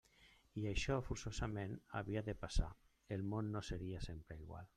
I això forçosament havia de passar: el món no seria sempre igual.